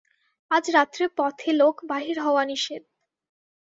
আজ রাত্রে পথে লোক বাহির হওয়া নিষেধ।